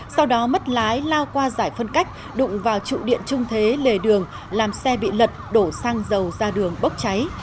sau đó mất lái lao qua giải phân cách đụng vào trụ điện trung thế lề đường làm xe bị lật đổ xăng dầu ra đường bốc cháy